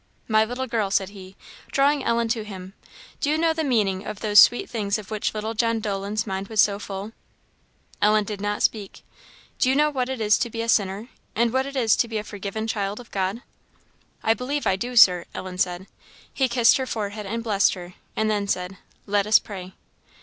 My little girl," said he, drawing Ellen to him, "do you know the meaning of those sweet things of which little John Dolan's mind was so full?" Ellen did not speak. "Do you know what it is to be a sinner? and what it is to be a forgiven child of God?" "I believe I do, Sir," Ellen said. He kissed her forehand and blessed her; and then said, "Let us pray."